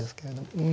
うん。